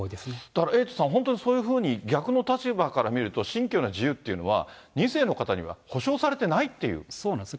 だから、エイトさん、本当にそういうふうに逆の立場から見ると、信教の自由っていうのは、２世の方には保障されてないっていそうなんです。